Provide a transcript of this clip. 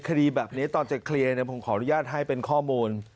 คดีแบบนี้ตอนจะเคลียร์ผมขออนุญาตให้เป็นข้อมูล